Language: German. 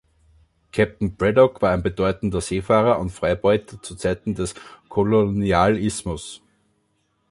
Kapitän Braddock war ein bedeutender Seefahrer und Freibeuter zu Zeiten des Kolonialismus.